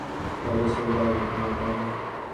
তবে, সে যাই হোক না কেন।